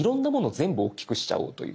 全部おっきくしちゃおうという。